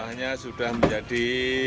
jumlahnya sudah menjadi tiga belas